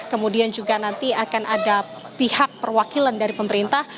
kemudian juga nanti akan ada pihak perwakilan dari pemerintah